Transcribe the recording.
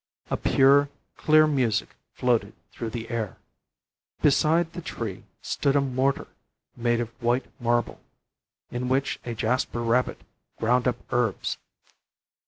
A pure clear music floated through the air. Beside the tree stood a mortar made of white marble, in which a jasper rabbit ground up herbs.